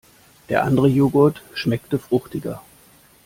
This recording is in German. Der andere Joghurt schmeckte fruchtiger.